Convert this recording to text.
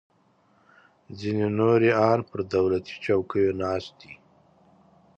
ځینې نور یې ان پر دولتي چوکیو ناست دي